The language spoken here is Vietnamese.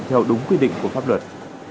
theo đúng quy định của pháp luật